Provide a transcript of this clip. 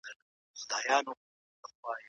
جهاد د نفس سره هغه جګړه ده چي انسان ته بریا بښي.